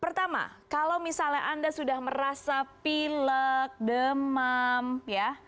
pertama kalau misalnya anda sudah merasa pilek demam ya